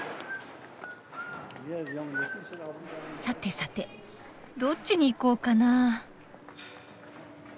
さてさてどっちに行こうかな。